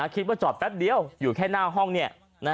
จอดแป๊บเดียวอยู่แค่หน้าห้องเนี่ย